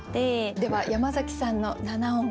では山崎さんの七音は？